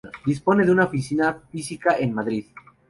Dispone de una oficina física en Madrid.